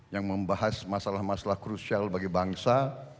yang membahas masalah masalah krusial bagi bangsa